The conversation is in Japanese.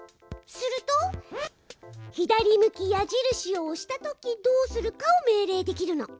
すると左向き矢印を押したときどうするかを命令できるの。